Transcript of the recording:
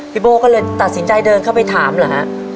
โบ้ก็เลยตัดสินใจเดินเข้าไปถามเหรอฮะ